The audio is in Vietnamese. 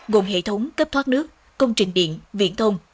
gồm hệ thống kếp thoát nước công trình điện viện thông